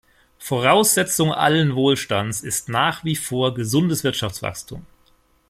Voraussetzung allen Wohlstands ist nach wie vor gesundes Wirtschaftswachstum.